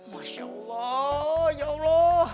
masya allah ya allah